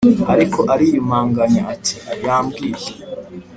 ariko ariyumanganya ati"yambwiye